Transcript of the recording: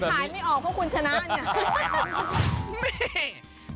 ขายไม่ออกเพราะคุณชนะเนี่ย